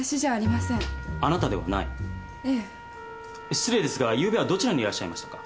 失礼ですがゆうべはどちらにいらっしゃいましたか？